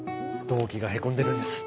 同期がへこんでるんです。